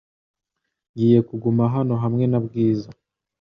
Ngiye kuguma hano hamwe na Bwiza .